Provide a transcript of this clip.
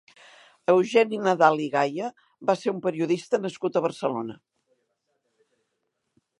Eugeni Nadal i Gaya va ser un periodista nascut a Barcelona.